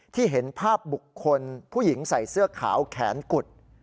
เห็นภาพบุคคลผู้หญิงใส่เสื้อขาวแขนกุด